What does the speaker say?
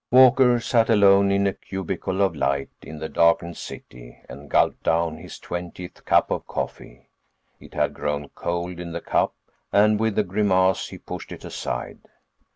———— Walker sat alone in a cubicle of light in the darkened city and gulped down his twentieth cup of coffee. It had grown cold in the cup and with a grimace he pushed it aside.